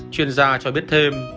chuyên gia cho biết thêm